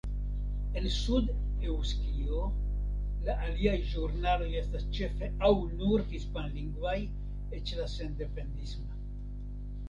En Sud-Eŭskio, la aliaj ĵurnaloj estas ĉefe aŭ nur hispanlingvaj, eĉ la sendependisma.